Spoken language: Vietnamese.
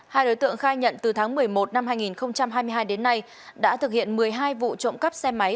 hai đối tượng khai nhận từ tháng một mươi một năm hai nghìn hai mươi hai đến nay đã thực hiện một mươi hai vụ trộm cắp xe máy